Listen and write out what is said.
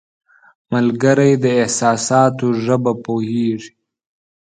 ملګری د احساساتو ژبه پوهیږي